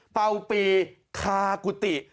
เป่าปีคากุฏิ